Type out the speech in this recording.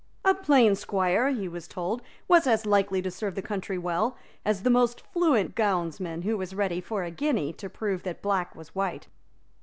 A plain squire, he was told, was as likely to serve the country well as the most fluent gownsman, who was ready, for a guinea, to prove that black was white.